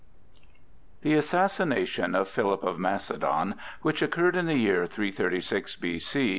THE assassination of Philip of Macedon, which occurred in the year 336 B.C.